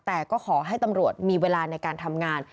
แต่ก็ขอให้ตำรวจมีเวลาในการทำงาน